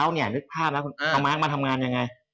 ข้าวเนี่ยนึกภาพแล้วคุณมาร์คมาทำงานยังไง